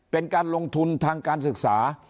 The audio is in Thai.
เป็นการลงทุนทางการศึกษา